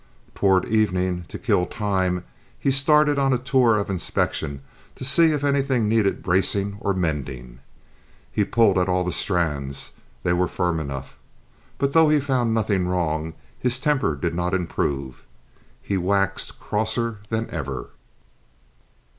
Toward evening, to kill time, he started on a tour of inspection, to see if anything needed bracing or mending. He pulled at all the strands; they were firm enough. But though he found nothing wrong, his temper did not improve; he waxed crosser than ever.